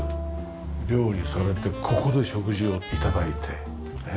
料理されてここで食事を頂いて。